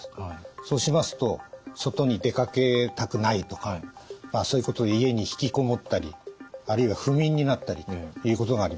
そうしますと外に出かけたくないとかそういうことで家に引きこもったりあるいは不眠になったりということがあります。